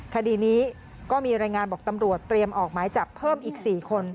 คดีนี้ก็มีรายงานบอกตำรวจเตรียมออกหมายจับเพิ่มอีก๔คน